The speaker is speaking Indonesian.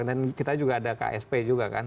dan kita juga ada ksp juga kan